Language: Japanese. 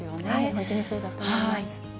本当にそうだと思います。